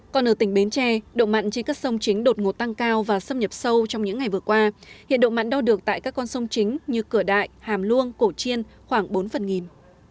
còn ở tỉnh bến tre độ mặn trên các sông chính đột ngột tăng cao và xâm nhập sâu trong những ngày vừa qua hiện độ mặn đo được tại các con sông chính như cửa đại hàm luông cổ chiên khoảng bốn phần nghìn